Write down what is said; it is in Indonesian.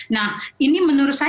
nah ini menurut saya